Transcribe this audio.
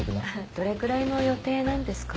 どれぐらいの予定なんですか？